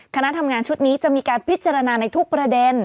คณะทำงานชุดนี้จะมีการพิจารณาในทุกประเด็น